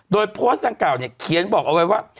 โดยโพสต์ดังกล่าวเนี่ยเขียนบอกเอาไว้ว่า